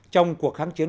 trong cuộc kháng chiến